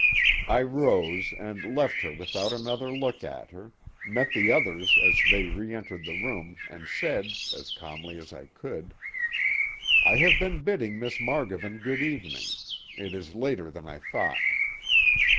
I rose and left her without another look at her, met the others as they reentered the room and said, as calmly as I could: "I have been bidding Miss Margovan good evening; it is later than I thought."